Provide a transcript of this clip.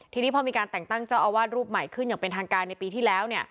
ทีนี้พอมีการแต่งตั้งเจ้าอาวาสรูปใหม่ขึ้นอย่างเป็นทางการในปีที่แล้ว